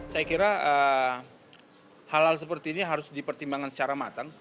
saya kira hal hal seperti ini harus dipertimbangkan secara matang